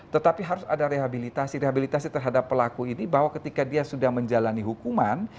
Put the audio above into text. tetapi harus ada rehabilitasi rehabilitasi terhadap pelaku ini bahwa ketika dia sudah menjalani hukuman